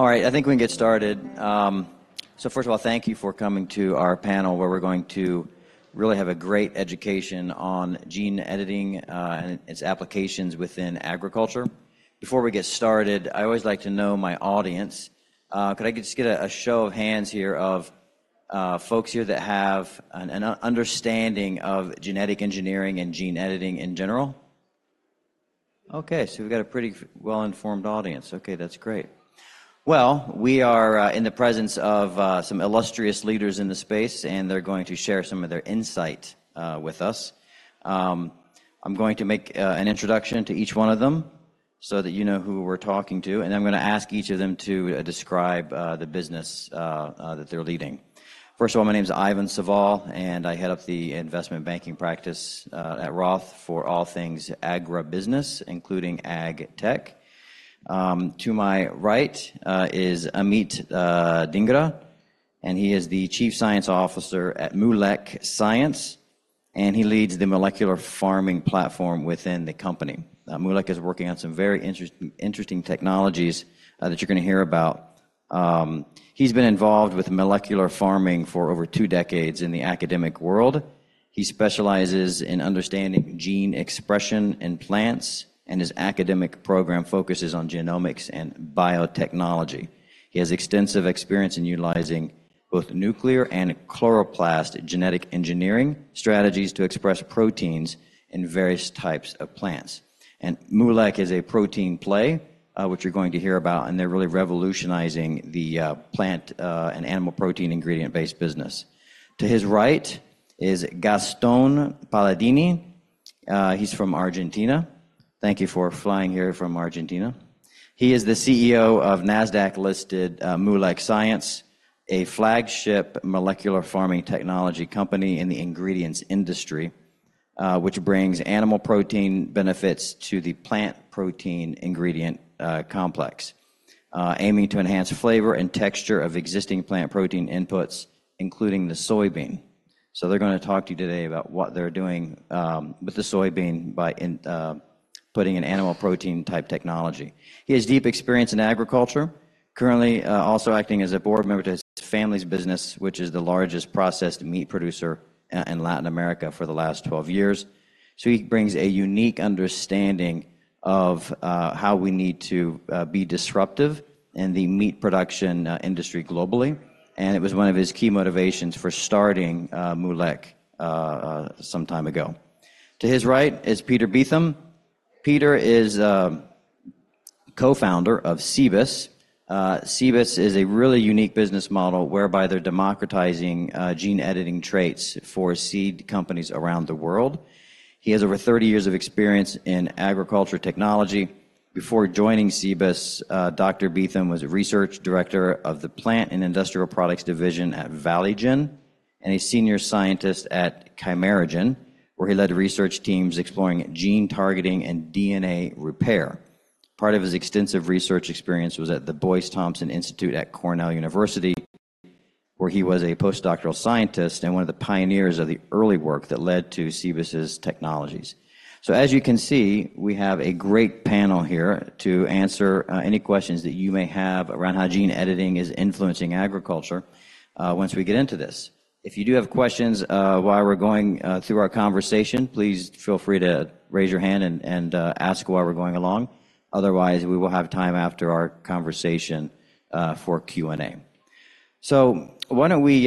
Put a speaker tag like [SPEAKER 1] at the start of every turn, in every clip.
[SPEAKER 1] All right, I think we can get started. So first of all, thank you for coming to our panel where we're going to really have a great education on gene editing, and its applications within agriculture. Before we get started, I always like to know my audience. Could I just get a show of hands here of folks here that have an understanding of genetic engineering and gene editing in general? Okay, so we've got a pretty well-informed audience. Okay, that's great. Well, we are in the presence of some illustrious leaders in the space, and they're going to share some of their insight with us. I'm going to make an introduction to each one of them so that you know who we're talking to, and I'm going to ask each of them to describe the business that they're leading. First of all, my name's Ivan Saval, and I head up the investment banking practice at Roth for all things agribusiness, including ag tech. To my right is Amit Dhingra, and he is the Chief Science Officer at Moolec Science, and he leads the molecular farming platform within the company. Moolec is working on some very interesting technologies that you're going to hear about. He's been involved with molecular farming for over two decades in the academic world. He specializes in understanding gene expression in plants, and his academic program focuses on genomics and biotechnology. He has extensive experience in utilizing both nuclear and chloroplast genetic engineering strategies to express proteins in various types of plants. Moolec is a protein play, which you're going to hear about, and they're really revolutionizing the plant and animal protein ingredient-based business. To his right is Gastón Paladini. He's from Argentina. Thank you for flying here from Argentina. He is the CEO of Nasdaq-listed Moolec Science, a flagship molecular farming technology company in the ingredients industry, which brings animal protein benefits to the plant protein ingredient complex, aiming to enhance flavor and texture of existing plant protein inputs, including the soybean. So they're going to talk to you today about what they're doing with the soybean by inputting an animal protein-type technology. He has deep experience in agriculture, currently also acting as a board member to his family's business, which is the largest processed meat producer in Latin America for the last 12 years. So he brings a unique understanding of how we need to be disruptive in the meat production industry globally, and it was one of his key motivations for starting Moolec some time ago. To his right is Peter Beetham. Peter is co-founder of Cibus. Cibus is a really unique business model whereby they're democratizing gene editing traits for seed companies around the world. He has over 30 years of experience in agriculture technology. Before joining Cibus, Dr. Beetham was research director of the Plant and Industrial Products Division at ValiGen and a senior scientist at Kimeragen, where he led research teams exploring gene targeting and DNA repair. Part of his extensive research experience was at the Boyce Thompson Institute at Cornell University, where he was a postdoctoral scientist and one of the pioneers of the early work that led to Cibus's technologies. So as you can see, we have a great panel here to answer any questions that you may have around how gene editing is influencing agriculture once we get into this. If you do have questions, while we're going through our conversation, please feel free to raise your hand and ask while we're going along. Otherwise, we will have time after our conversation for Q&A. So why don't we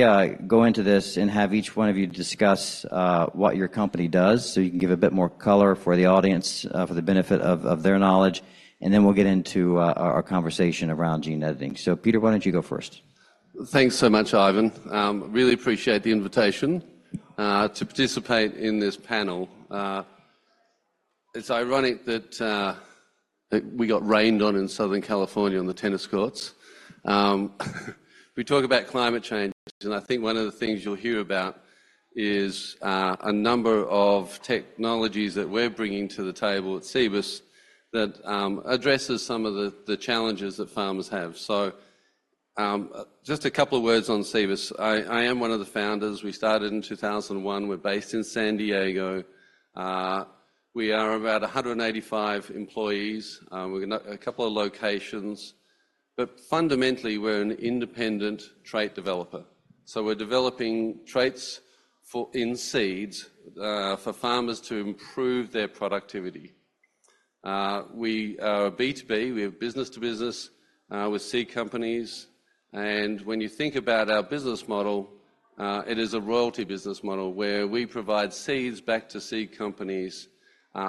[SPEAKER 1] go into this and have each one of you discuss what your company does so you can give a bit more color for the audience for the benefit of their knowledge, and then we'll get into our conversation around gene editing. So Peter, why don't you go first?
[SPEAKER 2] Thanks so much, Ivan. Really appreciate the invitation to participate in this panel. It's ironic that we got rained on in Southern California on the tennis courts. We talk about climate change, and I think one of the things you'll hear about is a number of technologies that we're bringing to the table at Cibus that addresses some of the challenges that farmers have. So, just a couple of words on Cibus. I, I am one of the founders. We started in 2001. We're based in San Diego. We are about 185 employees. We're going to a couple of locations. But fundamentally, we're an independent trait developer. So we're developing traits for in seeds for farmers to improve their productivity. We are a B2B. We have business-to-business with seed companies. And when you think about our business model, it is a royalty business model where we provide seeds back to seed companies,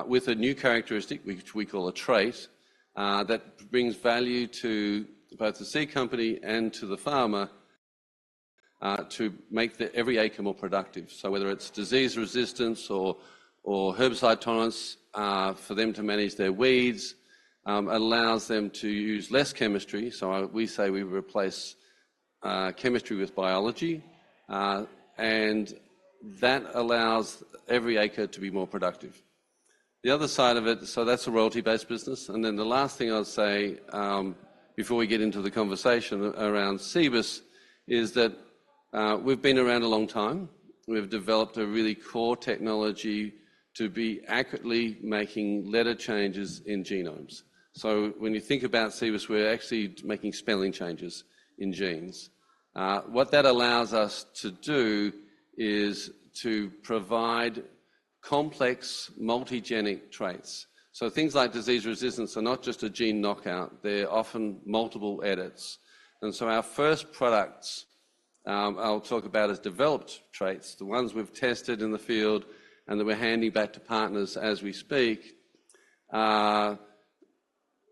[SPEAKER 2] with a new characteristic, which we call a trait, that brings value to both the seed company and to the farmer, to make every acre more productive. So whether it's disease resistance or, or herbicide tolerance, for them to manage their weeds, allows them to use less chemistry. So we say we replace chemistry with biology, and that allows every acre to be more productive. The other side of it, so that's a royalty-based business. And then the last thing I'd say, before we get into the conversation around Cibus is that, we've been around a long time. We've developed a really core technology to be accurately making letter changes in genomes. So when you think about Cibus, we're actually making spelling changes in genes. What that allows us to do is to provide complex multigenic traits. So things like disease resistance are not just a gene knockout. They're often multiple edits. And so our first products, I'll talk about as developed traits, the ones we've tested in the field and that we're handing back to partners as we speak,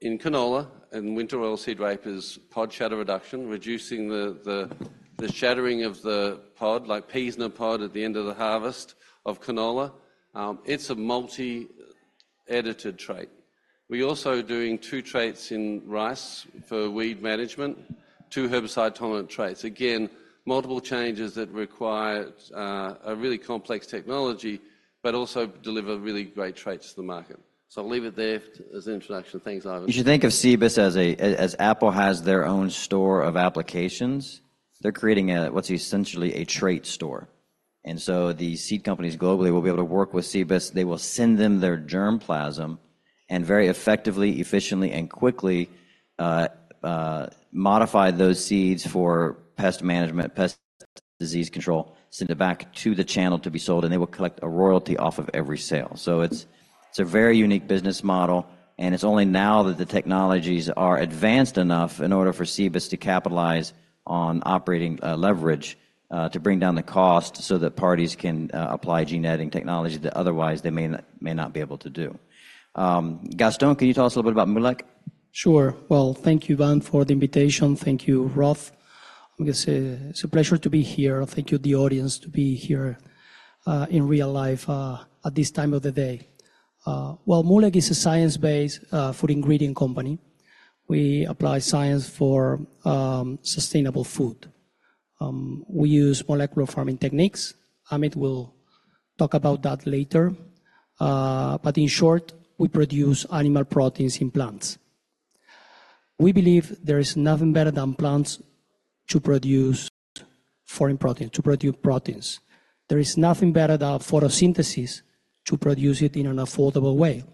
[SPEAKER 2] in canola and winter oilseed rape, pod shatter reduction, reducing the shattering of the pod, like peas in a pod at the end of the harvest of canola. It's a multi-edited trait. We're also doing two traits in rice for weed management, two herbicide-tolerant traits. Again, multiple changes that require a really complex technology but also deliver really great traits to the market. So I'll leave it there as an introduction. Thanks, Ivan.
[SPEAKER 1] You should think of Cibus as Apple has their own store of applications. They're creating what's essentially a trait store. So the seed companies globally will be able to work with Cibus. They will send them their germplasm and very effectively, efficiently, and quickly modify those seeds for pest management, pest disease control, send it back to the channel to be sold, and they will collect a royalty off of every sale. So it's a very unique business model, and it's only now that the technologies are advanced enough in order for Cibus to capitalize on operating leverage to bring down the cost so that parties can apply gene editing technology that otherwise they may not be able to do. Gastón, can you tell us a little bit about Moolec?
[SPEAKER 3] Sure. Well, thank you, Ivan, for the invitation. Thank you, Roth. I'm going to say it's a pleasure to be here. Thank you, the audience, to be here, in real life, at this time of the day. Well, Moolec is a science-based, food ingredient company. We apply science for sustainable food. We use molecular farming techniques. Amit will talk about that later. But in short, we produce animal proteins in plants. We believe there is nothing better than plants to produce foreign proteins, to produce proteins. There is nothing better than photosynthesis to produce it in an affordable way.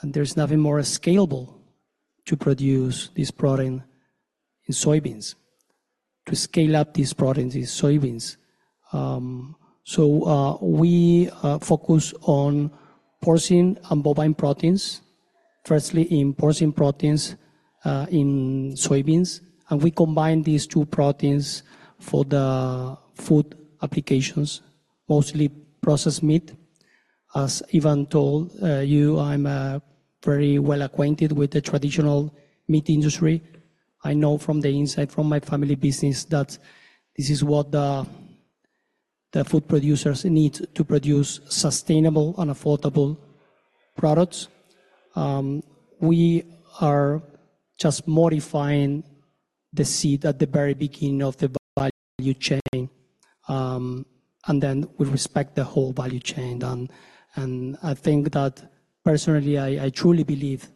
[SPEAKER 3] And there's nothing more scalable to produce this protein in soybeans, to scale up these proteins in soybeans. So, we focus on porcine and bovine proteins, firstly in porcine proteins, in soybeans. And we combine these two proteins for the food applications, mostly processed meat. As Ivan told you, I'm very well acquainted with the traditional meat industry. I know from the inside, from my family business, that this is what the food producers need to produce sustainable and affordable products. We are just modifying the seed at the very beginning of the value chain. And then we respect the whole value chain. And I think that personally, I truly believe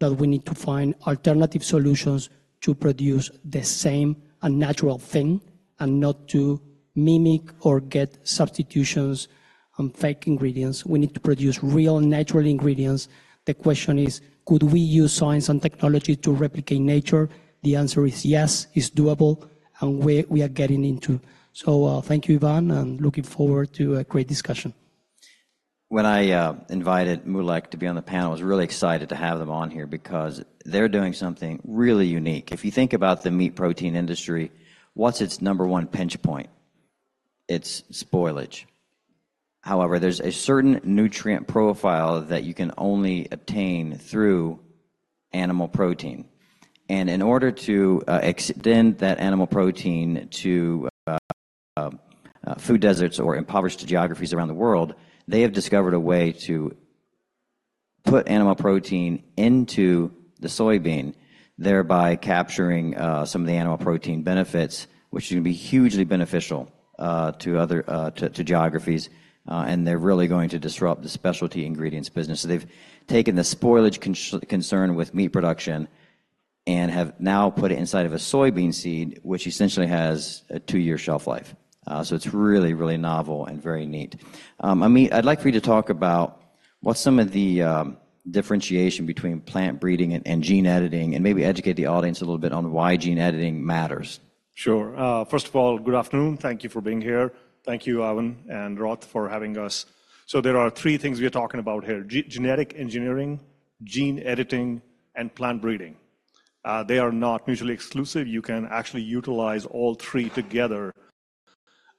[SPEAKER 3] that we need to find alternative solutions to produce the same and natural thing and not to mimic or get substitutions and fake ingredients. We need to produce real, natural ingredients. The question is, could we use science and technology to replicate nature? The answer is yes, it's doable, and we are getting into. So, thank you, Ivan, and looking forward to a great discussion.
[SPEAKER 1] When I invited Moolec to be on the panel, I was really excited to have them on here because they're doing something really unique. If you think about the meat protein industry, what's its number one pinch point? It's spoilage. However, there's a certain nutrient profile that you can only obtain through animal protein. And in order to extend that animal protein to food deserts or impoverished geographies around the world, they have discovered a way to put animal protein into the soybean, thereby capturing some of the animal protein benefits, which is going to be hugely beneficial to other geographies. And they're really going to disrupt the specialty ingredients business. So they've taken the spoilage concern with meat production and have now put it inside of a soybean seed, which essentially has a two-year shelf life. So it's really, really novel and very neat. Amit, I'd like for you to talk about what's some of the differentiation between plant breeding and gene editing and maybe educate the audience a little bit on why gene editing matters.
[SPEAKER 4] Sure. First of all, good afternoon. Thank you for being here. Thank you, Ivan and Roth, for having us. So there are three things we are talking about here: genetic engineering, gene editing, and plant breeding. They are not mutually exclusive. You can actually utilize all three together.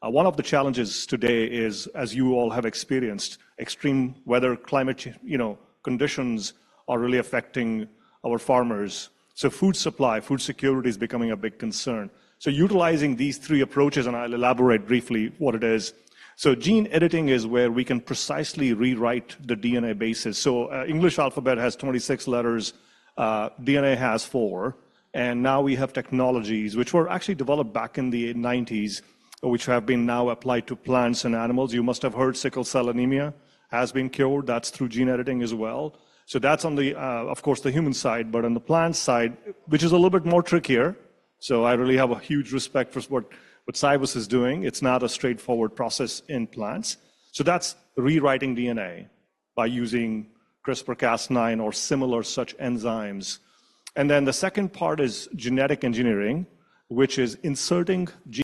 [SPEAKER 4] One of the challenges today is, as you all have experienced, extreme weather, climate change, you know, conditions are really affecting our farmers. So food supply, food security is becoming a big concern. So utilizing these three approaches and I'll elaborate briefly what it is. So gene editing is where we can precisely rewrite the DNA bases. So, English alphabet has 26 letters. DNA has four. And now we have technologies which were actually developed back in the 1990s, which have been now applied to plants and animals. You must have heard sickle cell anemia has been cured. That's through gene editing as well. So that's on the human side, of course. But on the plant side, which is a little bit more trickier, so I really have a huge respect for what Cibus is doing. It's not a straightforward process in plants. So that's rewriting DNA by using CRISPR-Cas9 or similar such enzymes. And then the second part is genetic engineering, which is inserting genes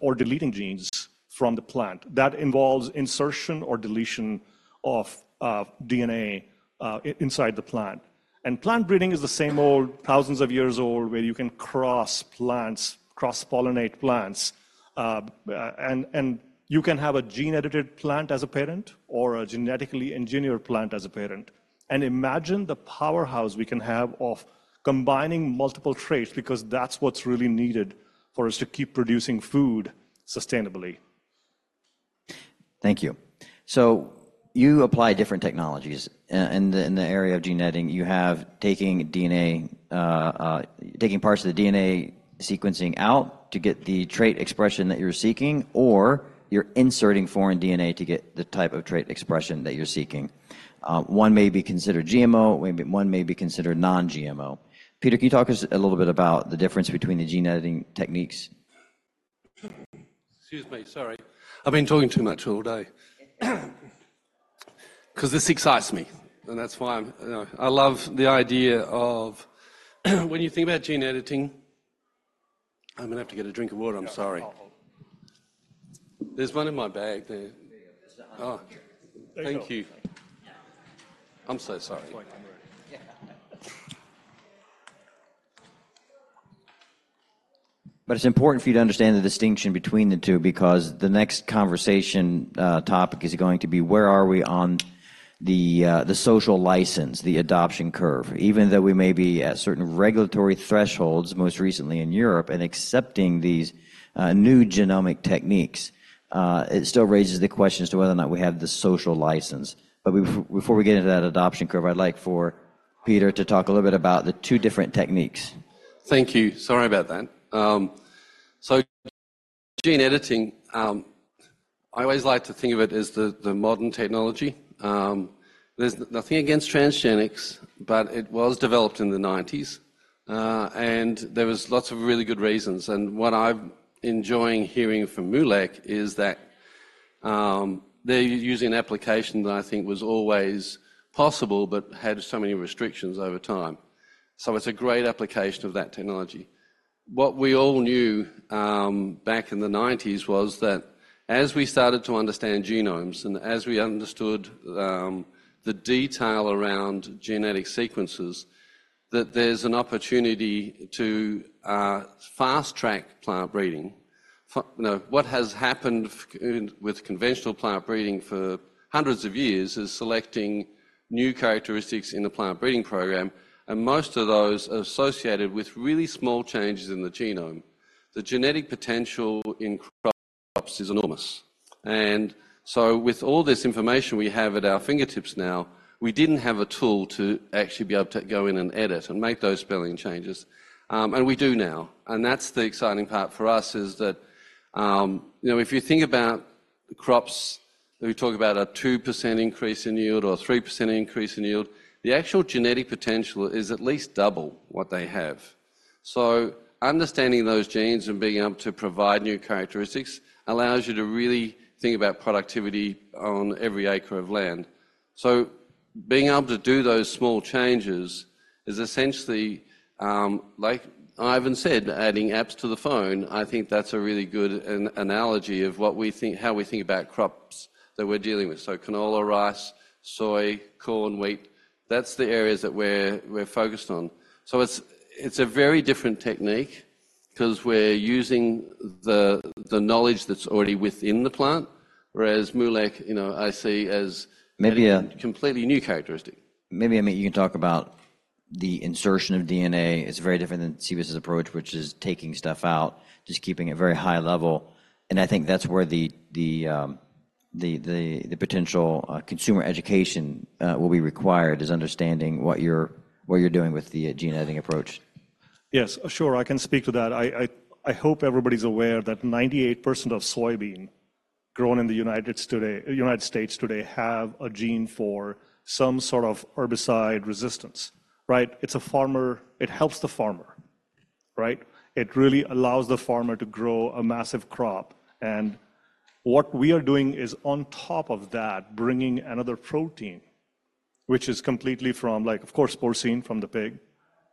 [SPEAKER 4] or deleting genes from the plant. That involves insertion or deletion of DNA inside the plant. And plant breeding is the same old, thousands of years old, where you can cross plants, cross-pollinate plants, and you can have a gene-edited plant as a parent or a genetically engineered plant as a parent. And imagine the powerhouse we can have of combining multiple traits because that's what's really needed for us to keep producing food sustainably.
[SPEAKER 1] Thank you. So you apply different technologies in the area of gene editing, you have taking DNA, taking parts of the DNA sequencing out to get the trait expression that you're seeking, or you're inserting foreign DNA to get the type of trait expression that you're seeking. One may be considered GMO. Maybe one may be considered non-GMO. Peter, can you talk us a little bit about the difference between the gene editing techniques?
[SPEAKER 2] Excuse me. Sorry. I've been talking too much all day because this excites me, and that's why I'm, you know, I love the idea of when you think about gene editing. I'm going to have to get a drink of water. I'm sorry. There's one in my bag there. Oh, thank you. I'm so sorry.
[SPEAKER 1] But it's important for you to understand the distinction between the two because the next conversation, topic is going to be where are we on the, the social license, the adoption curve, even though we may be at certain regulatory thresholds, most recently in Europe, and accepting these, New Genomic Techniques. It still raises the question as to whether or not we have the social license. But we before we get into that adoption curve, I'd like for Peter to talk a little bit about the two different techniques.
[SPEAKER 2] Thank you. Sorry about that. So gene editing, I always like to think of it as the modern technology. There's nothing against transgenics, but it was developed in the 1990s. There was lots of really good reasons. What I'm enjoying hearing from Moolec is that, they're using an application that I think was always possible but had so many restrictions over time. So it's a great application of that technology. What we all knew, back in the 1990s was that as we started to understand genomes and as we understood, the detail around genetic sequences, that there's an opportunity to fast-track plant breeding. You know, what has happened with conventional plant breeding for hundreds of years is selecting new characteristics in the plant breeding program. Most of those are associated with really small changes in the genome. The genetic potential in crops is enormous. With all this information we have at our fingertips now, we didn't have a tool to actually be able to go in and edit and make those spelling changes, and we do now. That's the exciting part for us, you know, that if you think about the crops that we talk about a 2% increase in yield or a 3% increase in yield, the actual genetic potential is at least double what they have. Understanding those genes and being able to provide new characteristics allows you to really think about productivity on every acre of land. Being able to do those small changes is essentially, like Ivan said, adding apps to the phone. I think that's a really good analogy of what we think how we think about crops that we're dealing with. So canola, rice, soy, corn, wheat. That's the areas that we're focused on. So it's a very different technique because we're using the knowledge that's already within the plant, whereas Moolec, you know, I see as a completely new characteristic.
[SPEAKER 1] Maybe, Amit, you can talk about the insertion of DNA. It's very different than Cibus's approach, which is taking stuff out, just keeping it very high level. And I think that's where the potential consumer education will be required is understanding what you're doing with the gene editing approach.
[SPEAKER 4] Yes. Sure. I can speak to that. I hope everybody's aware that 98% of soybean grown in the United States today have a gene for some sort of herbicide resistance, right? It helps the farmer, right? It really allows the farmer to grow a massive crop. And what we are doing is, on top of that, bringing another protein, which is completely from, like, of course, porcine from the pig.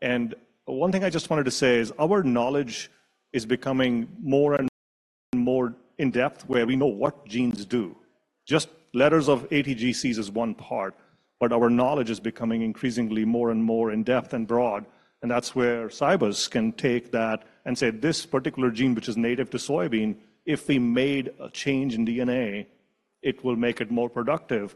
[SPEAKER 4] And one thing I just wanted to say is our knowledge is becoming more and more in-depth where we know what genes do. Just letters of ATGCs is one part, but our knowledge is becoming increasingly more and more in-depth and broad. And that's where Cibus can take that and say, this particular gene, which is native to soybean, if we made a change in DNA, it will make it more productive.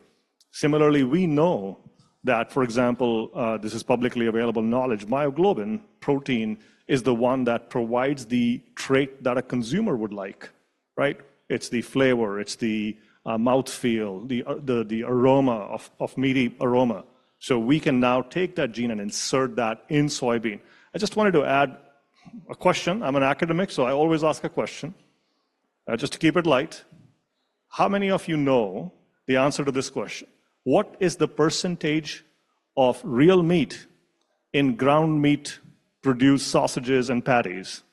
[SPEAKER 4] Similarly, we know that, for example, this is publicly available knowledge, myoglobin protein is the one that provides the trait that a consumer would like, right? It's the flavor. It's the mouthfeel, the aroma of meaty aroma. So we can now take that gene and insert that in soybean. I just wanted to add a question. I'm an academic, so I always ask a question, just to keep it light. How many of you know the answer to this question? What is the percentage of real meat in ground meat-produced sausages and patties?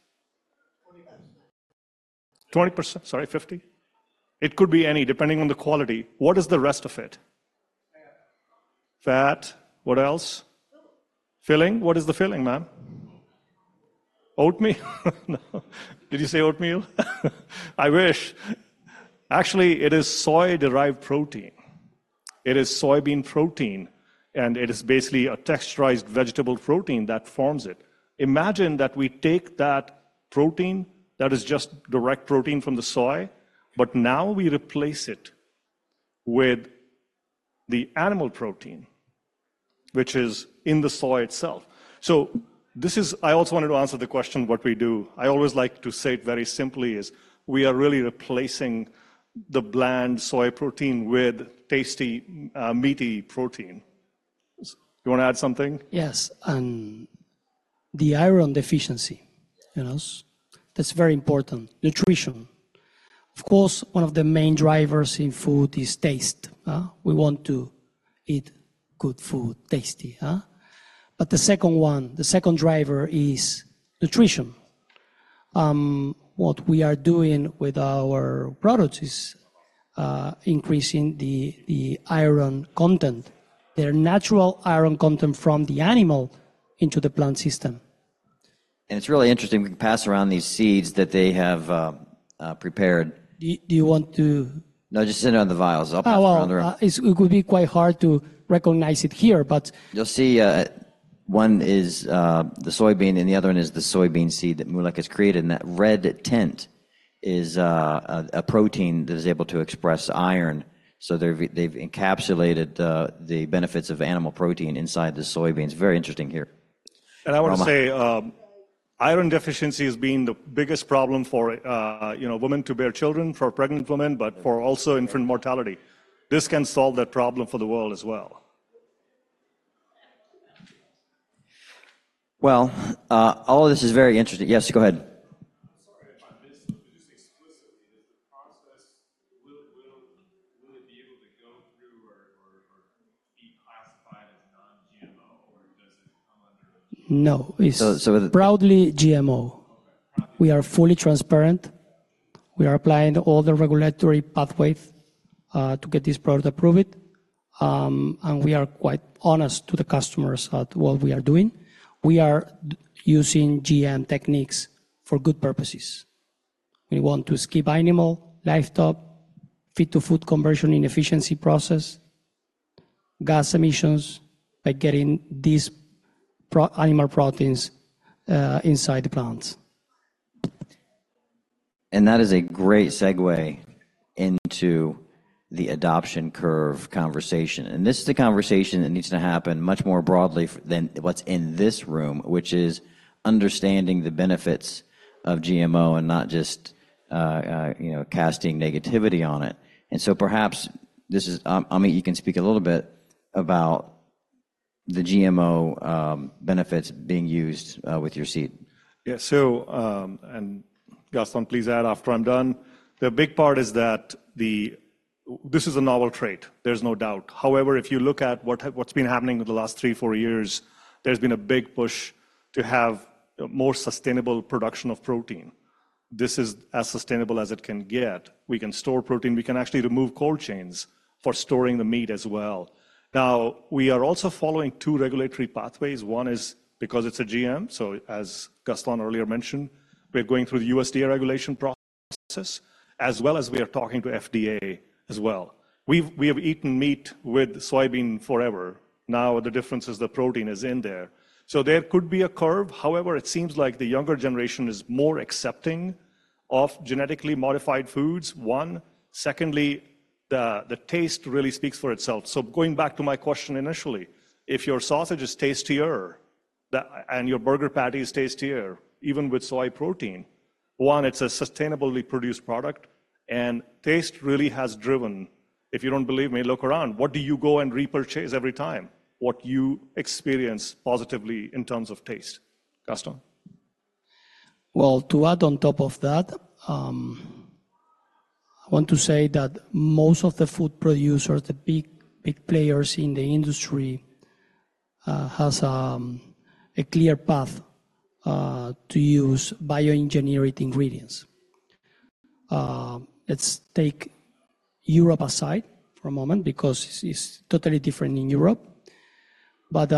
[SPEAKER 5] 20%.
[SPEAKER 4] 20%? Sorry, 50%? It could be any, depending on the quality. What is the rest of it? Fat? What else? Filling? What is the filling, ma'am? Oatmeal? Did you say oatmeal? I wish. Actually, it is soy-derived protein. It is soybean protein, and it is basically a texturized vegetable protein that forms it. Imagine that we take that protein that is just direct protein from the soy, but now we replace it with the animal protein, which is in the soy itself. So this is I also wanted to answer the question what we do. I always like to say it very simply is we are really replacing the bland soy protein with tasty, meaty protein. You want to add something?
[SPEAKER 3] Yes. The iron deficiency, you know? That's very important. Nutrition. Of course, one of the main drivers in food is taste, huh? We want to eat good food, tasty, huh? But the second one the second driver is nutrition. What we are doing with our products is, increasing the, the iron content, their natural iron content from the animal into the plant system.
[SPEAKER 1] It's really interesting. We can pass around these seeds that they have, prepared.
[SPEAKER 3] Do you want to?
[SPEAKER 1] No, just send it on the vials. I'll pass around the room.
[SPEAKER 3] Oh, it would be quite hard to recognize it here, but.
[SPEAKER 1] You'll see, one is the soybean, and the other one is the soybean seed that Moolec has created. And that red tint is a protein that is able to express iron. So they've encapsulated the benefits of animal protein inside the soybeans. Very interesting here.
[SPEAKER 4] I want to say, iron deficiency has been the biggest problem for, you know, women to bear children, for pregnant women, but also for infant mortality. This can solve that problem for the world as well.
[SPEAKER 1] Well, all of this is very interesting. Yes, go ahead.
[SPEAKER 6] I'm sorry if I missed this. But just explicitly, does the process will it be able to go through or be classified as non-GMO, or does it come under?
[SPEAKER 3] No.
[SPEAKER 1] So.
[SPEAKER 3] Proudly GMO. We are fully transparent. We are applying all the regulatory pathways, to get this product approved. We are quite honest to the customers about what we are doing. We are using GM techniques for good purposes. We want to skip animal, livestock, feed-to-food conversion inefficiency process, gas emissions by getting these animal proteins, inside the plants.
[SPEAKER 1] That is a great segue into the adoption curve conversation. This is the conversation that needs to happen much more broadly than what's in this room, which is understanding the benefits of GMO and not just, you know, casting negativity on it. So perhaps this is Amit, you can speak a little bit about the GMO benefits being used, with your seed.
[SPEAKER 4] Yeah. So, and Gastón, please add after I'm done. The big part is that this is a novel trait. There's no doubt. However, if you look at what's been happening over the last 3-4 years, there's been a big push to have more sustainable production of protein. This is as sustainable as it can get. We can store protein. We can actually remove cold chains for storing the meat as well. Now, we are also following two regulatory pathways. One is because it's a GM. So as Gastón earlier mentioned, we're going through the USDA regulation process, as well as we are talking to FDA as well. We've eaten meat with soybean forever. Now, the difference is the protein is in there. So there could be a curve. However, it seems like the younger generation is more accepting of genetically modified foods, one. Secondly, the taste really speaks for itself. So going back to my question initially, if your sausage is tastier and your burger patty is tastier, even with soy protein, one, it's a sustainably produced product, and taste really has driven, if you don't believe me, look around. What do you go and repurchase every time? What do you experience positively in terms of taste? Gastón?
[SPEAKER 3] Well, to add on top of that, I want to say that most of the food producers, the big, big players in the industry, has a clear path to use bioengineered ingredients. Let's take Europe aside for a moment because it's totally different in Europe. But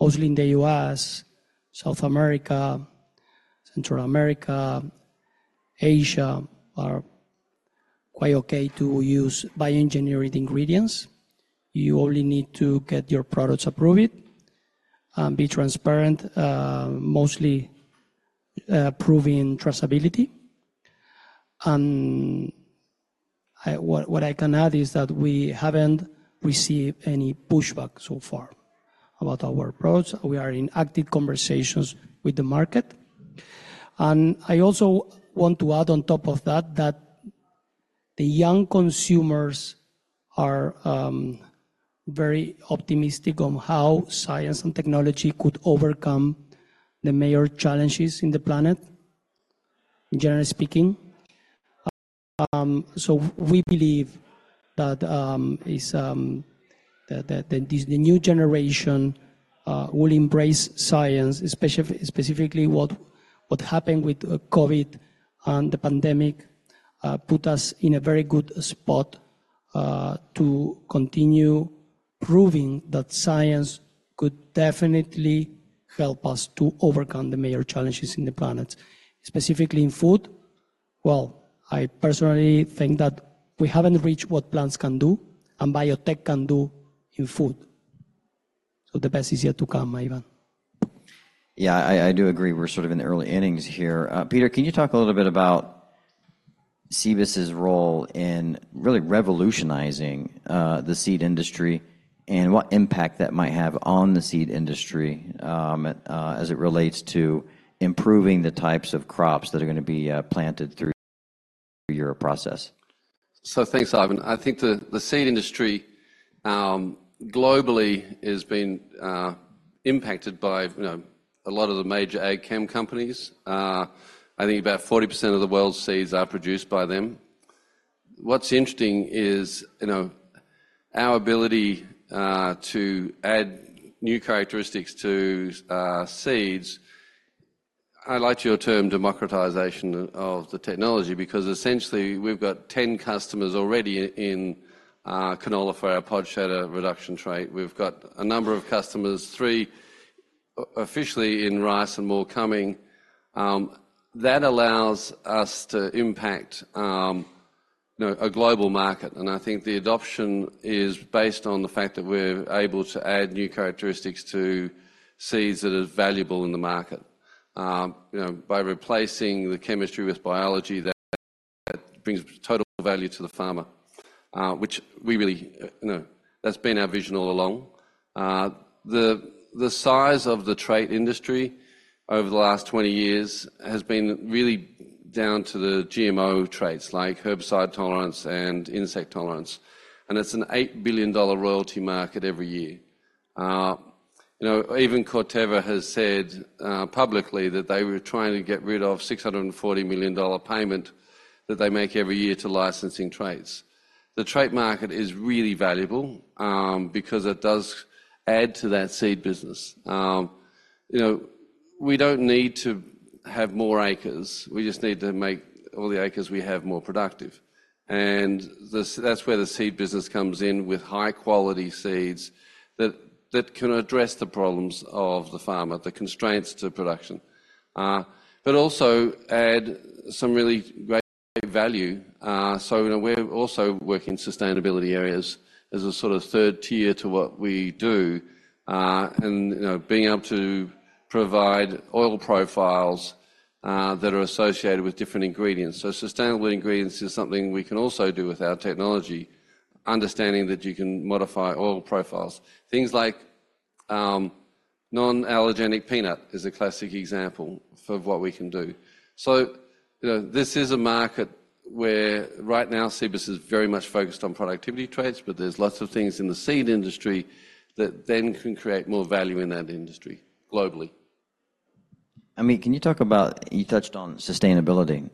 [SPEAKER 3] mostly in the US, South America, Central America, Asia are quite okay to use bioengineered ingredients. You only need to get your products approved and be transparent, mostly proving traceability. And what I can add is that we haven't received any pushback so far about our approach. We are in active conversations with the market. And I also want to add on top of that that the young consumers are very optimistic on how science and technology could overcome the major challenges in the planet, generally speaking. So we believe that the new generation will embrace science, especially what happened with COVID and the pandemic put us in a very good spot to continue proving that science could definitely help us to overcome the major challenges in the planet, specifically in food. Well, I personally think that we haven't reached what plants can do and biotech can do in food. So the best is yet to come, Ivan.
[SPEAKER 1] Yeah, I do agree. We're sort of in the early innings here. Peter, can you talk a little bit about Cibus's role in really revolutionizing the seed industry and what impact that might have on the seed industry, as it relates to improving the types of crops that are going to be planted through your process?
[SPEAKER 2] So thanks, Ivan. I think the seed industry, globally has been, impacted by, you know, a lot of the major ag chem companies. I think about 40% of the world's seeds are produced by them. What's interesting is, you know, our ability, to add new characteristics to, seeds. I like your term democratization of the technology because essentially we've got 10 customers already in, canola for our pod shatter reduction trait. We've got a number of customers, 3 officially in rice and more coming. That allows us to impact, you know, a global market. And I think the adoption is based on the fact that we're able to add new characteristics to seeds that are valuable in the market, you know, by replacing the chemistry with biology that brings total value to the farmer, which we really you know, that's been our vision all along. The size of the trait industry over the last 20 years has been really down to the GMO traits, like herbicide tolerance and insect tolerance. It's an $8 billion royalty market every year. You know, even Corteva has said, publicly that they were trying to get rid of $640 million payment that they make every year to licensing traits. The trait market is really valuable, because it does add to that seed business. You know, we don't need to have more acres. We just need to make all the acres we have more productive. That's where the seed business comes in with high-quality seeds that can address the problems of the farmer, the constraints to production, but also add some really great value. So, you know, we're also working in sustainability areas as a sort of third tier to what we do, and, you know, being able to provide oil profiles that are associated with different ingredients. So sustainable ingredients is something we can also do with our technology, understanding that you can modify oil profiles. Things like non-allergenic peanut is a classic example of what we can do. So, you know, this is a market where right now Cibus is very much focused on productivity traits, but there's lots of things in the seed industry that then can create more value in that industry globally.
[SPEAKER 1] Amit, can you talk about you touched on sustainability,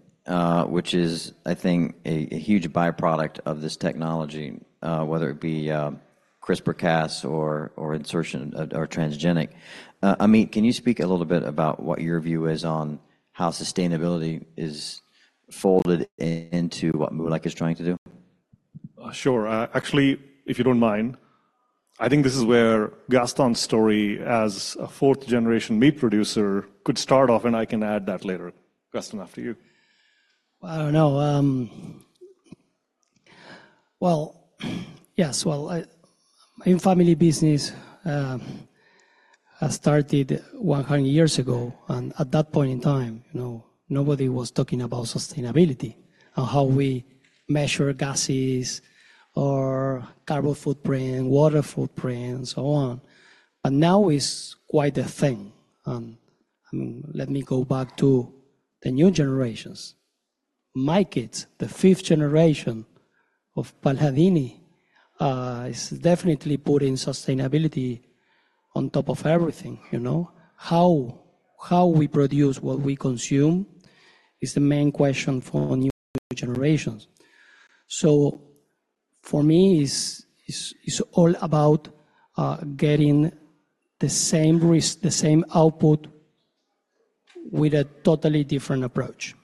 [SPEAKER 1] which is, I think, a huge byproduct of this technology, whether it be, CRISPR-Cas or insertion or transgenic. Amit, can you speak a little bit about what your view is on how sustainability is folded into what Moolec is trying to do?
[SPEAKER 4] Sure. Actually, if you don't mind, I think this is where Gastón's story as a fourth-generation meat producer could start off, and I can add that later. Gastón, after you.
[SPEAKER 3] Well, I don't know. Well, yes. Well, my family business, started 100 years ago. And at that point in time, you know, nobody was talking about sustainability and how we measure gases or carbon footprint, water footprint, so on. But now it's quite a thing. And let me go back to the new generations. My kids, the fifth generation of Paladini, is definitely putting sustainability on top of everything, you know? How we produce what we consume is the main question for new generations. So for me, it's all about getting the same risk, the same output with a totally different approach.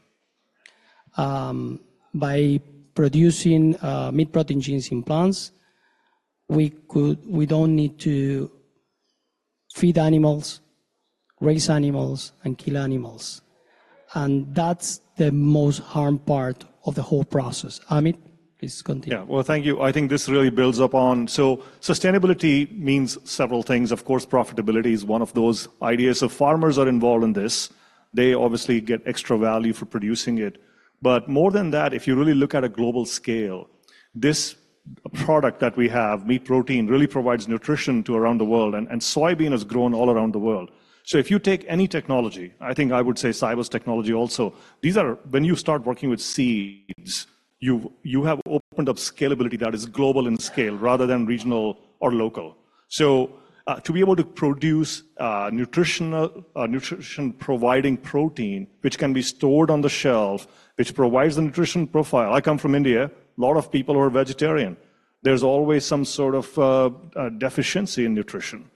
[SPEAKER 3] By producing meat protein genes in plants, we could, we don't need to feed animals, raise animals, and kill animals. And that's the most harmful part of the whole process. Amit, please continue.
[SPEAKER 4] Yeah. Well, thank you. I think this really builds up on so sustainability means several things. Of course, profitability is one of those. Ideas of farmers are involved in this. They obviously get extra value for producing it. But more than that, if you really look at a global scale, this product that we have, meat protein, really provides nutrition to around the world. And soybean has grown all around the world. So if you take any technology, I think I would say Cibus's technology also, these are when you start working with seeds, you have opened up scalability that is global in scale rather than regional or local. So to be able to produce nutritional nutrition-providing protein, which can be stored on the shelf, which provides the nutrition profile. I come from India, a lot of people who are vegetarian, there's always some sort of deficiency in nutrition.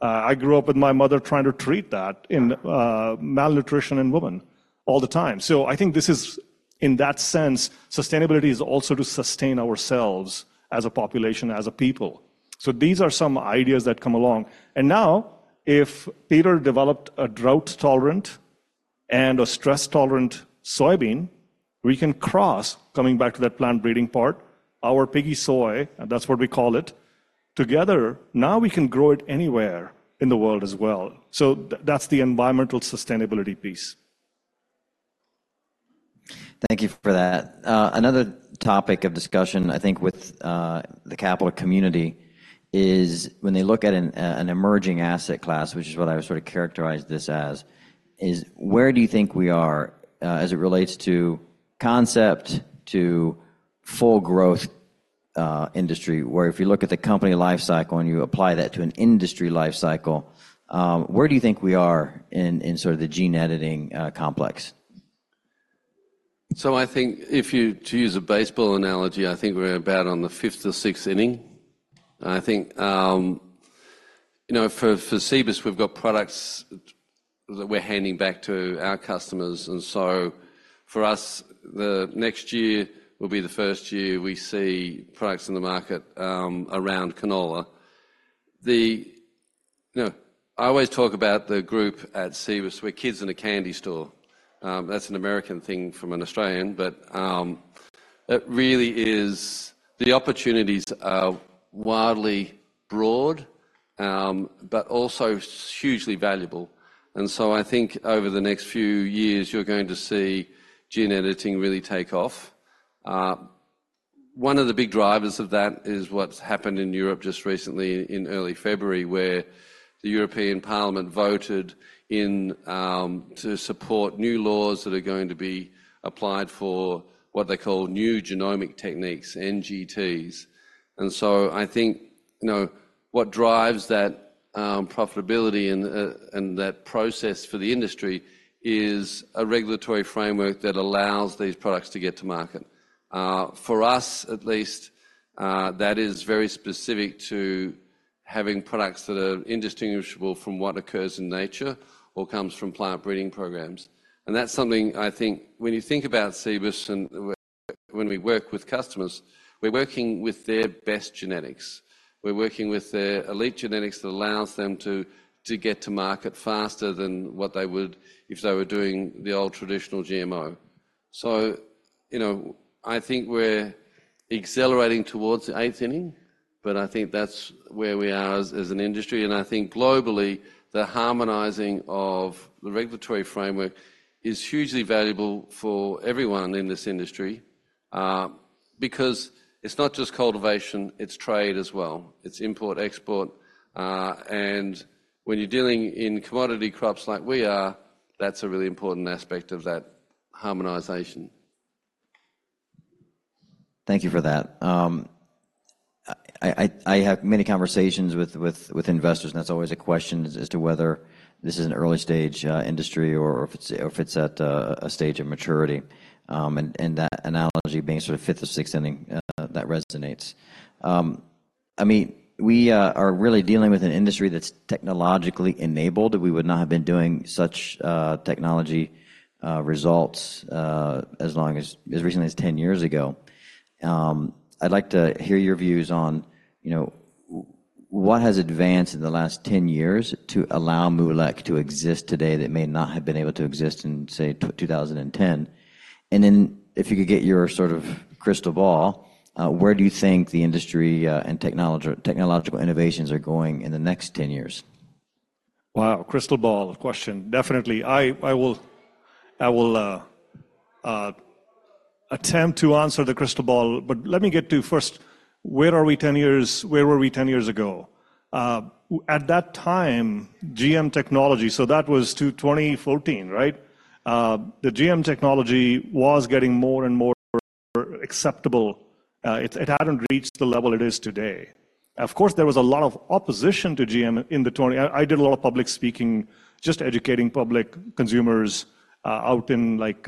[SPEAKER 4] I grew up with my mother trying to treat that in malnutrition in women all the time. So I think this is, in that sense, sustainability is also to sustain ourselves as a population, as a people. So these are some ideas that come along. And now, if Peter developed a drought-tolerant and a stress-tolerant soybean, we can cross, coming back to that plant breeding part, our Piggy Sooy, and that's what we call it, together, now we can grow it anywhere in the world as well. So that's the environmental sustainability piece.
[SPEAKER 1] Thank you for that. Another topic of discussion, I think, with the capital community is when they look at an emerging asset class, which is what I sort of characterized this as, is where do you think we are as it relates to concept, to full growth industry, where if you look at the company lifecycle and you apply that to an industry lifecycle, where do you think we are in sort of the gene editing complex?
[SPEAKER 2] So I think if you were to use a baseball analogy, I think we're about on the fifth or sixth inning. I think, you know, for Cibus, we've got products that we're handing back to our customers. And so for us, the next year will be the first year we see products in the market around canola. You know, I always talk about the group at Cibus. We're kids in a candy store. That's an American thing from an Australian. But it really is the opportunities are wildly broad, but also hugely valuable. And so I think over the next few years, you're going to see gene editing really take off. One of the big drivers of that is what's happened in Europe just recently in early February, where the European Parliament voted to support new laws that are going to be applied for what they call new genomic techniques, NGTs. So I think, you know, what drives that profitability and that process for the industry is a regulatory framework that allows these products to get to market. For us at least, that is very specific to having products that are indistinguishable from what occurs in nature or comes from plant breeding programs. And that's something I think when you think about Cibus and when we work with customers, we're working with their best genetics. We're working with their elite genetics that allows them to get to market faster than what they would if they were doing the old traditional GMO. So, you know, I think we're accelerating towards the eighth inning. But I think that's where we are as an industry. And I think globally, the harmonizing of the regulatory framework is hugely valuable for everyone in this industry because it's not just cultivation. It's trade as well. It's import, export. And when you're dealing in commodity crops like we are, that's a really important aspect of that harmonization.
[SPEAKER 1] Thank you for that. I have many conversations with investors, and that's always a question as to whether this is an early stage industry or if it's at a stage of maturity. And that analogy being sort of fifth or sixth inning, that resonates. Amit, we are really dealing with an industry that's technologically enabled. We would not have been doing such technology results as long as, as recently as 10 years ago. I'd like to hear your views on, you know, what has advanced in the last 10 years to allow Moolec to exist today that may not have been able to exist in, say, 2010? And then if you could get your sort of crystal ball, where do you think the industry and technological innovations are going in the next 10 years?
[SPEAKER 4] Wow, crystal ball question. Definitely. I will attempt to answer the crystal ball. But let me get to first, where are we 10 years where were we 10 years ago? At that time, GM technology so that was 2014, right? The GM technology was getting more and more acceptable. It hadn't reached the level it is today. Of course, there was a lot of opposition to GM in the 20. I did a lot of public speaking, just educating public consumers out in, like,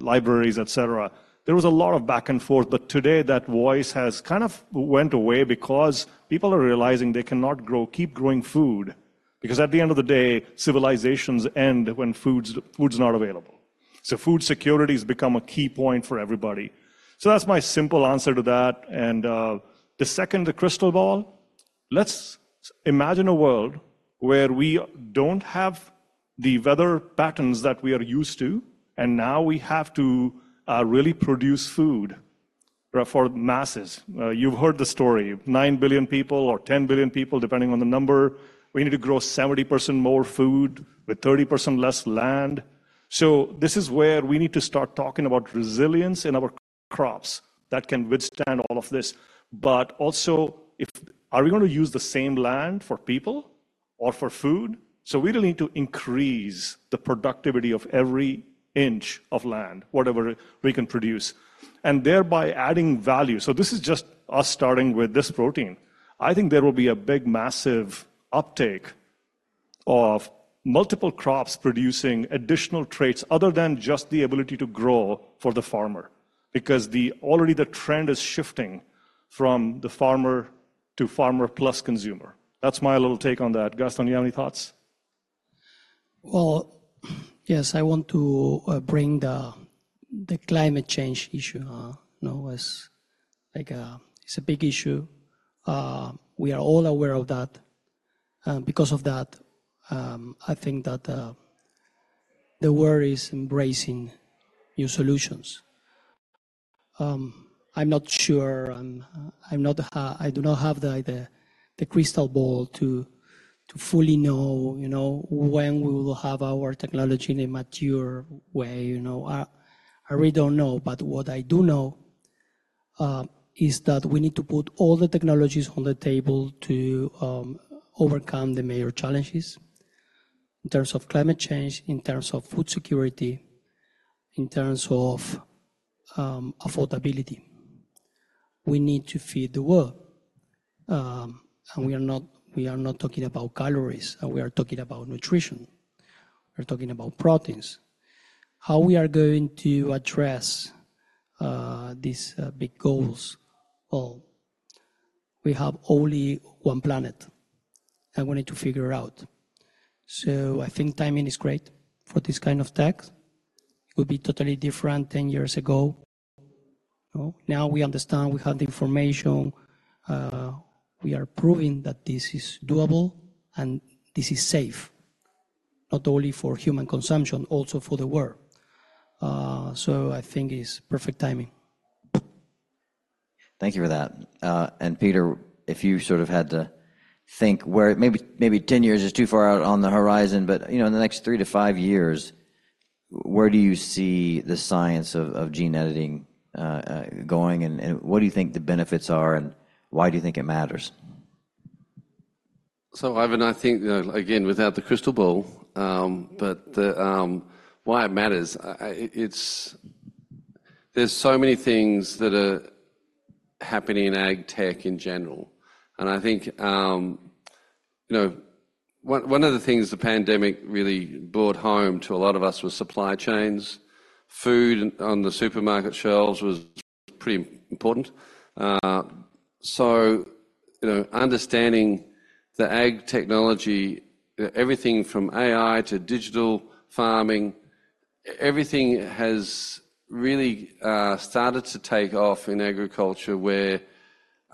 [SPEAKER 4] libraries, etc. There was a lot of back and forth. But today, that voice has kind of went away because people are realizing they cannot keep growing food because at the end of the day, civilizations end when food's not available. So food security has become a key point for everybody. So that's my simple answer to that. And the second, the crystal ball: let's imagine a world where we don't have the weather patterns that we are used to, and now we have to really produce food for masses. You've heard the story, 9 billion people or 10 billion people, depending on the number. We need to grow 70% more food with 30% less land. So this is where we need to start talking about resilience in our crops that can withstand all of this. But also, are we going to use the same land for people or for food? So we really need to increase the productivity of every inch of land, whatever we can produce, and thereby adding value. So this is just us starting with this protein. I think there will be a big, massive uptake of multiple crops producing additional traits other than just the ability to grow for the farmer because already the trend is shifting from the farmer to farmer plus consumer. That's my little take on that. Gastón, do you have any thoughts?
[SPEAKER 3] Well, yes, I want to bring the climate change issue, you know, as like it's a big issue. We are all aware of that. And because of that, I think that the world is embracing new solutions. I'm not sure. I do not have the crystal ball to fully know, you know, when we will have our technology in a mature way. You know, I really don't know. But what I do know is that we need to put all the technologies on the table to overcome the major challenges in terms of climate change, in terms of food security, in terms of affordability. We need to feed the world. And we are not talking about calories. And we are talking about nutrition. We're talking about proteins. How we are going to address these big goals? Well, we have only one planet, and we need to figure it out. So I think timing is great for this kind of tech. It would be totally different 10 years ago. Now we understand. We have the information. We are proving that this is doable and this is safe, not only for human consumption, also for the world. So I think it's perfect timing.
[SPEAKER 1] Thank you for that. Peter, if you sort of had to think where maybe 10 years is too far out on the horizon, but, you know, in the next 3-5 years, where do you see the science of gene editing going? And what do you think the benefits are? And why do you think it matters?
[SPEAKER 2] So, Ivan, I think, again, without the crystal ball, but why it matters, it's there's so many things that are happening in ag tech in general. And I think, you know, one of the things the pandemic really brought home to a lot of us was supply chains. Food on the supermarket shelves was pretty important. So, you know, understanding the ag technology, everything from AI to digital farming, everything has really started to take off in agriculture where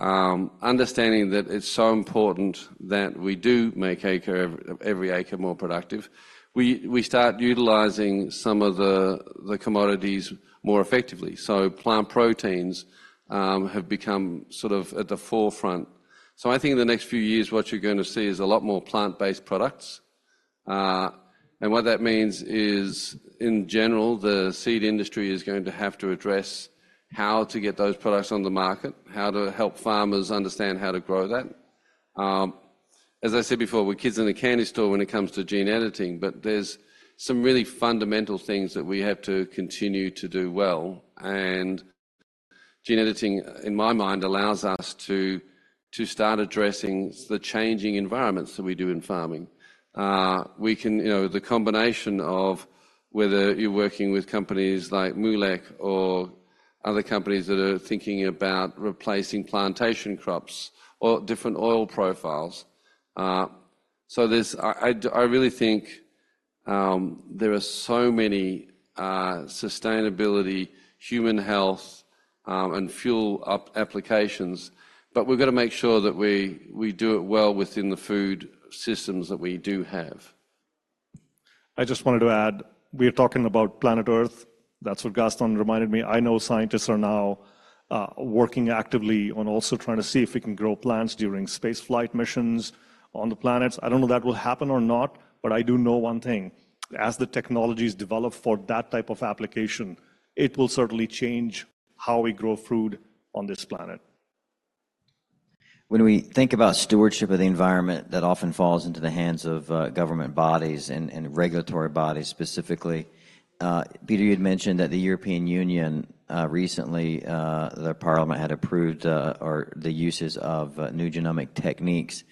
[SPEAKER 2] understanding that it's so important that we do make every acre more productive, we start utilizing some of the commodities more effectively. So plant proteins have become sort of at the forefront. So I think in the next few years, what you're going to see is a lot more plant-based products. What that means is, in general, the seed industry is going to have to address how to get those products on the market, how to help farmers understand how to grow that. As I said before, we're kids in a candy store when it comes to gene editing. But there's some really fundamental things that we have to continue to do well. And gene editing, in my mind, allows us to start addressing the changing environments that we do in farming. We can, you know, the combination of whether you're working with companies like Moolec or other companies that are thinking about replacing plantation crops or different oil profiles. So there's I really think there are so many sustainability, human health, and fuel applications. But we've got to make sure that we do it well within the food systems that we do have.
[SPEAKER 4] I just wanted to add, we're talking about planet Earth. That's what Gastón reminded me. I know scientists are now working actively on also trying to see if we can grow plants during spaceflight missions on the planets. I don't know that will happen or not, but I do know one thing. As the technology is developed for that type of application, it will certainly change how we grow food on this planet.
[SPEAKER 1] When we think about stewardship of the environment, that often falls into the hands of government bodies and regulatory bodies specifically. Peter, you had mentioned that the European Union recently, the Parliament had approved the uses of New Genomic Techniques.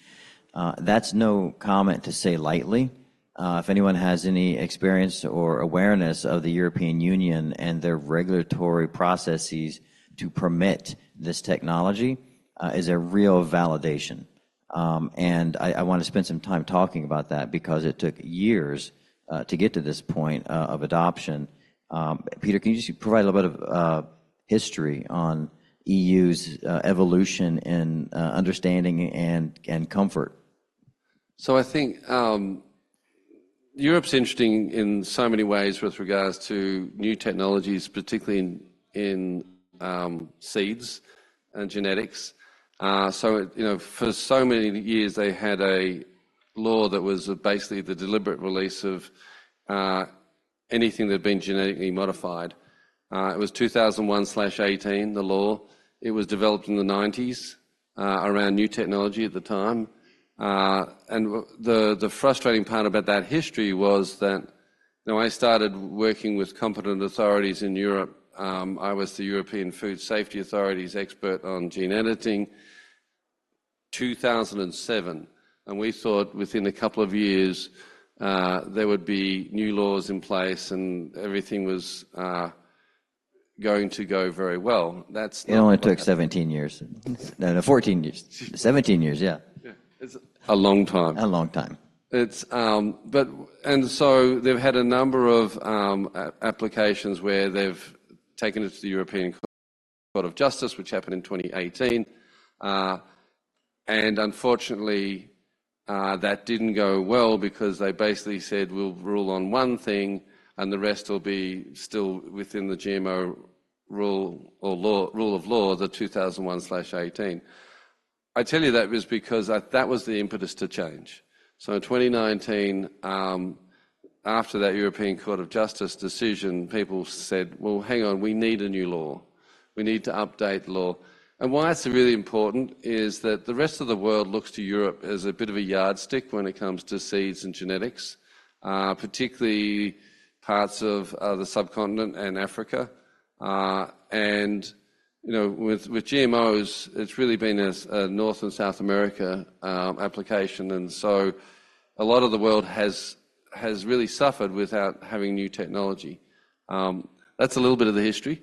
[SPEAKER 1] That's no comment to say lightly. If anyone has any experience or awareness of the European Union and their regulatory processes to permit this technology, it is a real validation. I want to spend some time talking about that because it took years to get to this point of adoption. Peter, can you just provide a little bit of history on EU's evolution in understanding and comfort?
[SPEAKER 2] So I think Europe's interesting in so many ways with regards to new technologies, particularly in seeds and genetics. So, you know, for so many years, they had a law that was basically the deliberate release of anything that had been genetically modified. It was 2001/18, the law. It was developed in the 1990s around new technology at the time. And the frustrating part about that history was that, you know, I started working with competent authorities in Europe. I was the European Food Safety Authority's expert on gene editing in 2007. And we thought within a couple of years, there would be new laws in place, and everything was going to go very well.
[SPEAKER 1] It only took 17 years. No, no, 14 years. 17 years. Yeah.
[SPEAKER 2] Yeah. It's a long time.
[SPEAKER 1] A long time.
[SPEAKER 2] So they've had a number of applications where they've taken it to the European Court of Justice, which happened in 2018. Unfortunately, that didn't go well because they basically said, we'll rule on one thing, and the rest will be still within the GMO rule or rule of law, the 2001/18. I tell you that was because that was the impetus to change. So in 2019, after that European Court of Justice decision, people said, well, hang on, we need a new law. We need to update the law. And why it's really important is that the rest of the world looks to Europe as a bit of a yardstick when it comes to seeds and genetics, particularly parts of the subcontinent and Africa. You know, with GMOs, it's really been a North and South America application. So a lot of the world has really suffered without having new technology. That's a little bit of the history.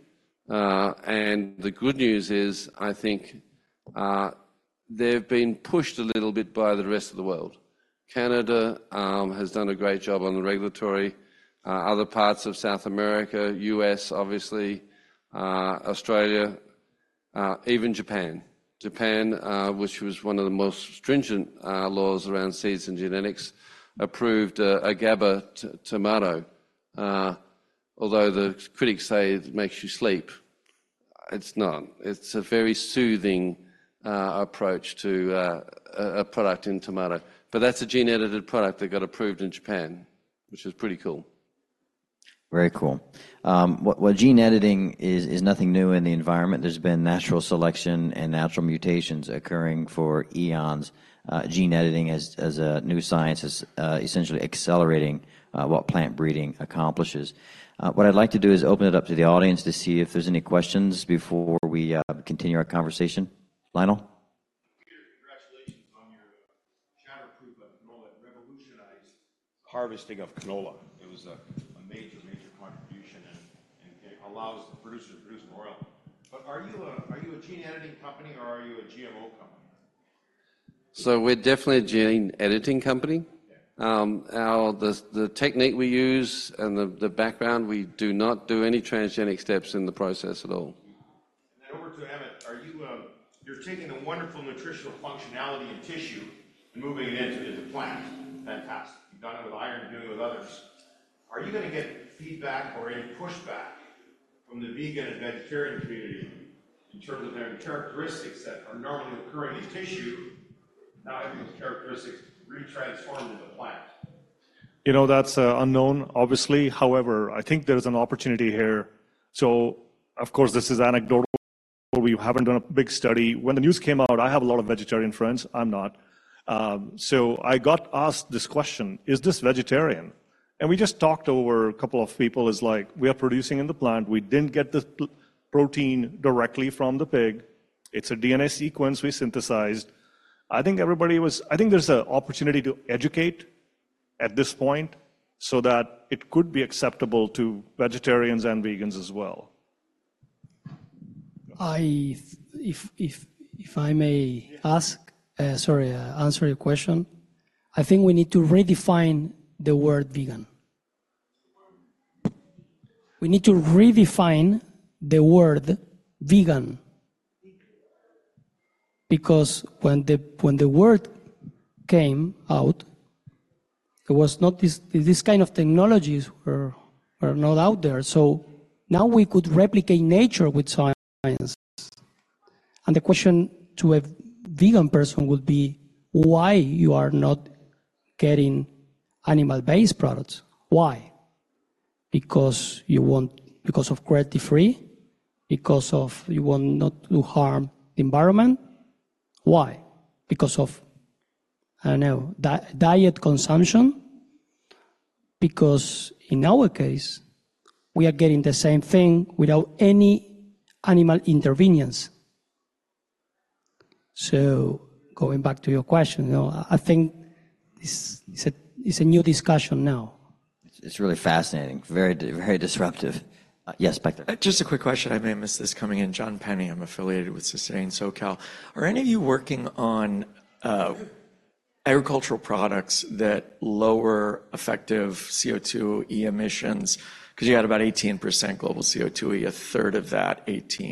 [SPEAKER 2] The good news is, I think, they've been pushed a little bit by the rest of the world. Canada has done a great job on the regulatory. Other parts of South America, U.S., obviously, Australia, even Japan. Japan, which was one of the most stringent laws around seeds and genetics, approved a GABA tomato, although the critics say it makes you sleep. It's not. It's a very soothing approach to a product in tomato. But that's a gene-edited product that got approved in Japan, which is pretty cool.
[SPEAKER 1] Very cool. While gene editing is nothing new in the environment, there's been natural selection and natural mutations occurring for eons. Gene editing as a new science is essentially accelerating what plant breeding accomplishes. What I'd like to do is open it up to the audience to see if there's any questions before we continue our conversation. Lionel?
[SPEAKER 6] Peter, congratulations on your shatterproof canola revolutionized harvesting of canola. It was a major, major contribution and allows producers to produce more oil. But are you a gene editing company or are you a GMO company?
[SPEAKER 2] We're definitely a gene editing company. The technique we use and the background, we do not do any transgenic steps in the process at all.
[SPEAKER 6] Then over to Amit, are you? You're taking the wonderful nutritional functionality in tissue and moving it into the plant. Fantastic. You've done it with iron, doing it with others. Are you going to get feedback or any pushback from the vegan and vegetarian community in terms of having characteristics that are normally occurring in tissue, now having those characteristics retransformed into the plant?
[SPEAKER 4] You know, that's unknown, obviously. However, I think there is an opportunity here. So, of course, this is anecdotal. We haven't done a big study. When the news came out, I have a lot of vegetarian friends. I'm not. So I got asked this question, is this vegetarian? And we just talked over a couple of people. It's like, we are producing in the plant. We didn't get the protein directly from the pig. It's a DNA sequence we synthesized. I think everybody was I think there's an opportunity to educate at this point so that it could be acceptable to vegetarians and vegans as well.
[SPEAKER 3] If I may ask, sorry, answer your question. I think we need to redefine the word vegan. We need to redefine the word vegan. Because when the word came out, it was not; this kind of technologies were not out there. So now we could replicate nature with science. And the question to a vegan person would be, why are you not getting animal-based products? Why? Because of cruelty-free? Because of you want not to harm the environment? Why? Because of, I don't know, diet consumption? Because in our case, we are getting the same thing without any animal intervenience. So going back to your question, you know, I think it's a new discussion now.
[SPEAKER 1] It's really fascinating. Very, very disruptive. Yes, Penney?
[SPEAKER 7] Just a quick question. I may have missed this coming in. John Penney, I'm affiliated with Sustain SoCal. Are any of you working on agricultural products that lower effective CO2 emissions? Because you had about 18% global CO2. A third of that 18%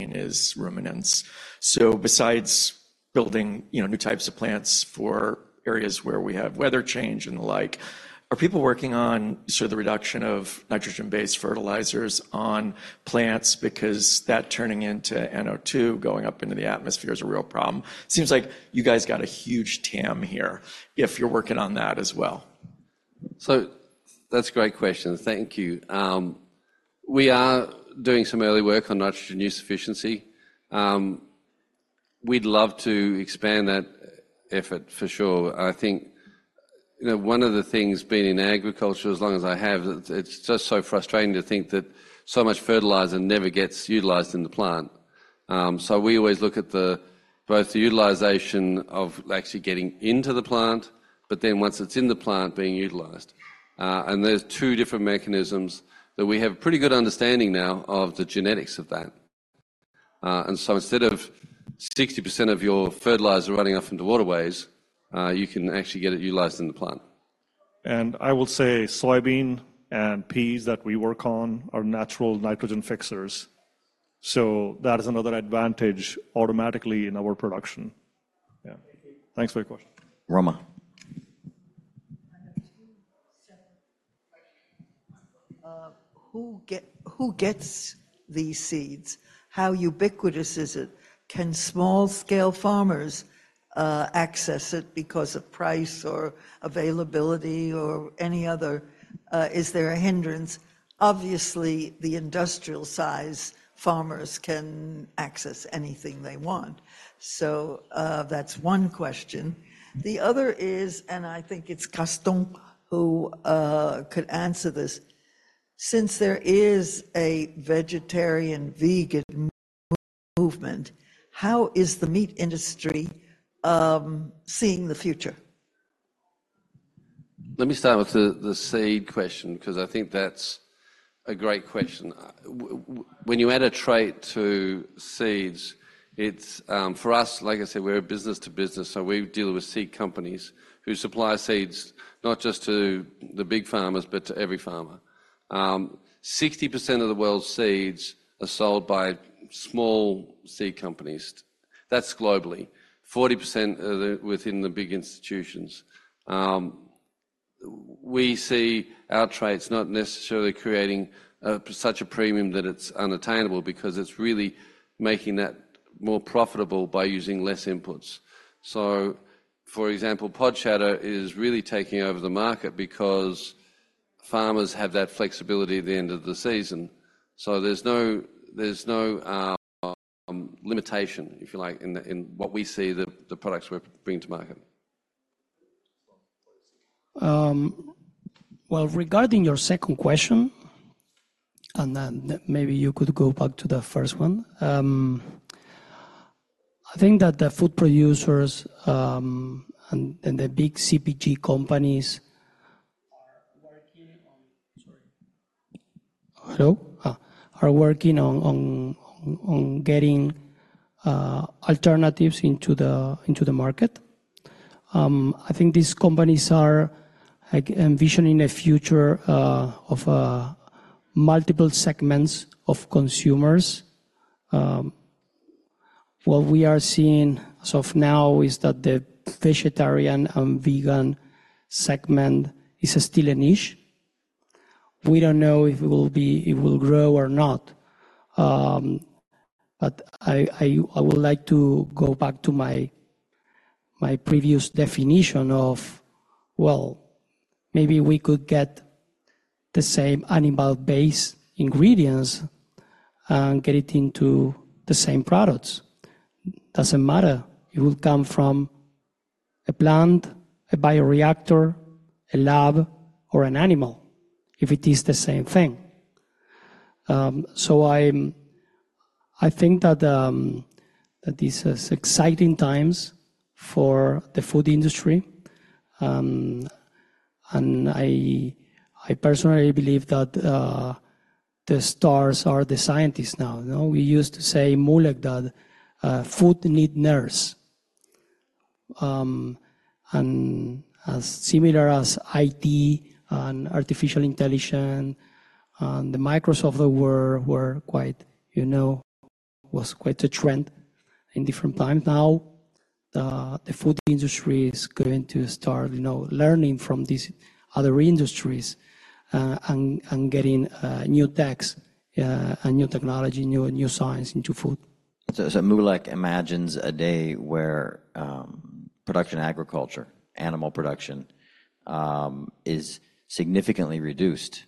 [SPEAKER 7] is ruminants. So besides building, you know, new types of plants for areas where we have weather change and the like, are people working on sort of the reduction of nitrogen-based fertilizers on plants because that turning into NO2 going up into the atmosphere is a real problem? Seems like you guys got a huge TAM here if you're working on that as well.
[SPEAKER 2] So that's a great question. Thank you. We are doing some early work on nitrogen use efficiency. We'd love to expand that effort for sure. I think, you know, one of the things being in agriculture, as long as I have, it's just so frustrating to think that so much fertilizer never gets utilized in the plant. So we always look at both the utilization of actually getting into the plant, but then once it's in the plant, being utilized. And there's two different mechanisms that we have a pretty good understanding now of the genetics of that. And so instead of 60% of your fertilizer running off into waterways, you can actually get it utilized in the plant.
[SPEAKER 4] I will say soybean and peas that we work on are natural nitrogen fixers. That is another advantage automatically in our production. Yeah. Thanks for your question.
[SPEAKER 1] Rama.
[SPEAKER 8] Who gets the seeds? How ubiquitous is it? Can small-scale farmers access it because of price or availability or any other? Is there a hindrance? Obviously, the industrial-sized farmers can access anything they want. So that's one question. The other is, and I think it's Gastón who could answer this. Since there is a vegetarian-vegan movement, how is the meat industry seeing the future?
[SPEAKER 2] Let me start with the seed question because I think that's a great question. When you add a trait to seeds, it's for us, like I said, we're a business-to-business. So we deal with seed companies who supply seeds not just to the big farmers, but to every farmer. 60% of the world's seeds are sold by small seed companies. That's globally. 40% are within the big institutions. We see our traits not necessarily creating such a premium that it's unattainable because it's really making that more profitable by using less inputs. So, for example, pod shatter is really taking over the market because farmers have that flexibility at the end of the season. So there's no limitation, if you like, in what we see the products we're bringing to market.
[SPEAKER 3] Well, regarding your second question, and then maybe you could go back to the first one. I think that the food producers and the big CPG companies are working on sorry. Hello? Are working on getting alternatives into the market. I think these companies are envisioning a future of multiple segments of consumers. What we are seeing as of now is that the vegetarian and vegan segment is still a niche. We don't know if it will grow or not. But I would like to go back to my previous definition of, well, maybe we could get the same animal-based ingredients and get it into the same products. Doesn't matter. It will come from a plant, a bioreactor, a lab, or an animal if it is the same thing. So I think that these are exciting times for the food industry. I personally believe that the stars are the scientists now. You know, we used to say in Moolec that food needs nerds. And similar as IT and artificial intelligence and the Microsoft that were quite, you know, was quite a trend in different times. Now the food industry is going to start, you know, learning from these other industries and getting new techs and new technology, new science into food.
[SPEAKER 1] So Moolec imagines a day where production agriculture, animal production, is significantly reduced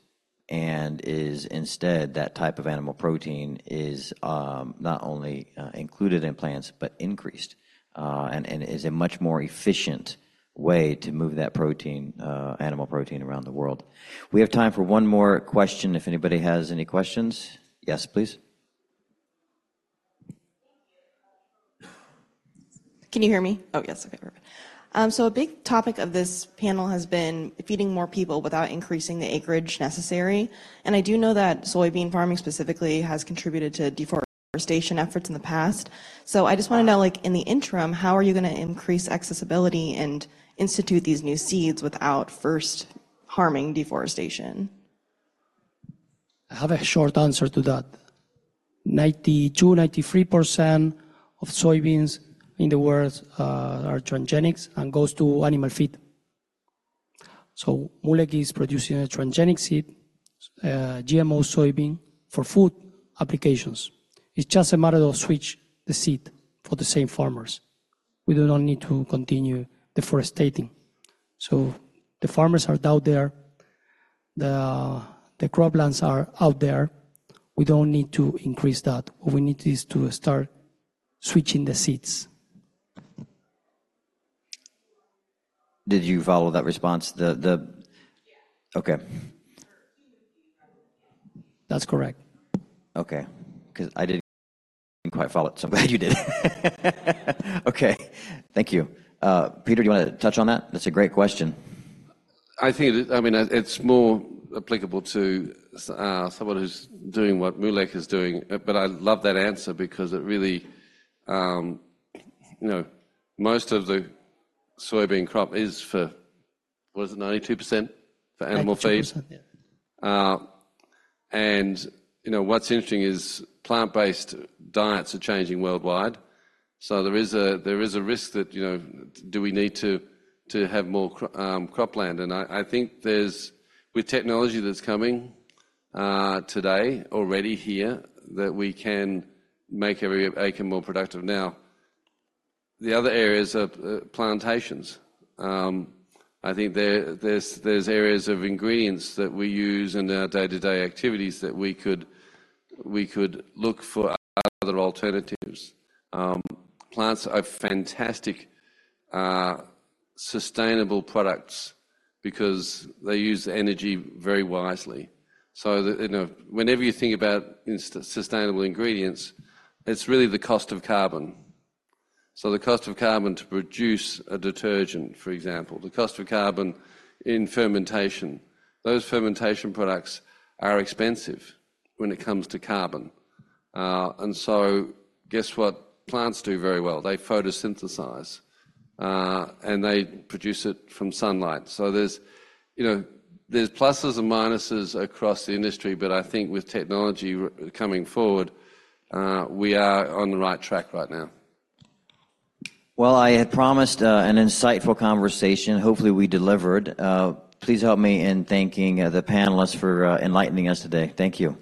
[SPEAKER 1] and is instead that type of animal protein is not only included in plants but increased and is a much more efficient way to move that protein, animal protein, around the world. We have time for one more question if anybody has any questions. Yes, please.
[SPEAKER 9] Can you hear me? Oh, yes. Okay. Perfect. A big topic of this panel has been feeding more people without increasing the acreage necessary. I do know that soybean farming specifically has contributed to deforestation efforts in the past. I just want to know, like, in the interim, how are you going to increase accessibility and institute these new seeds without first harming deforestation?
[SPEAKER 3] I have a short answer to that. 92%-93% of soybeans in the world are transgenics and goes to animal feed. So Moolec is producing a transgenic seed, GMO soybean for food applications. It's just a matter of switching the seed for the same farmers. We do not need to continue deforesting. So the farmers are out there. The croplands are out there. We don't need to increase that. What we need is to start switching the seeds.
[SPEAKER 1] Did you follow that response? Okay.
[SPEAKER 3] That's correct.
[SPEAKER 1] Okay. Because I didn't quite follow it. So I'm glad you did. Okay. Thank you. Peter, do you want to touch on that? That's a great question.
[SPEAKER 2] I think it is I mean, it's more applicable to someone who's doing what Moolec is doing. But I love that answer because it really, you know, most of the soybean crop is for, what is it, 92% for animal feed. And, you know, what's interesting is plant-based diets are changing worldwide. So there is a risk that, you know, do we need to have more cropland? And I think there's with technology that's coming today already here that we can make every acre more productive. Now, the other areas are plantations. I think there's areas of ingredients that we use in our day-to-day activities that we could look for other alternatives. Plants are fantastic sustainable products because they use energy very wisely. So, you know, whenever you think about sustainable ingredients, it's really the cost of carbon. So the cost of carbon to produce a detergent, for example, the cost of carbon in fermentation. Those fermentation products are expensive when it comes to carbon. And so guess what? Plants do very well. They photosynthesize and they produce it from sunlight. So there's, you know, there's pluses and minuses across the industry. But I think with technology coming forward, we are on the right track right now.
[SPEAKER 1] Well, I had promised an insightful conversation. Hopefully we delivered. Please help me in thanking the panelists for enlightening us today. Thank you.